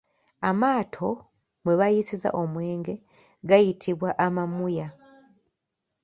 Amaato mwe bayiisizza omwenge gayitibwa Amamuya.